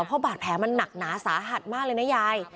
เพราะบาดแผลมันหนักหนาสาหัสมากเลยนะยาย